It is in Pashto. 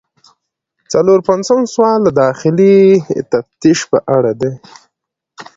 څلور پنځوسم سوال د داخلي تفتیش په اړه دی.